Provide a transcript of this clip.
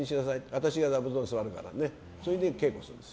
私が座布団座るからってそれで稽古するんです。